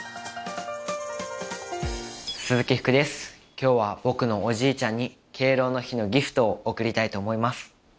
今日は僕のおじいちゃんに敬老の日のギフトを贈りたいと思います。